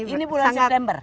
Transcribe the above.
ini bulan september